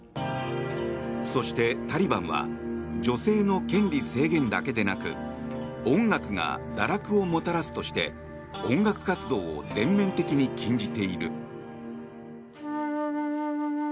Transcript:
そして、タリバンは女性の権利制限だけでなく音楽が堕落をもたらすとして音楽活動を全面的に禁じている。